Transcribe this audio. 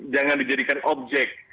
jangan dijadikan objek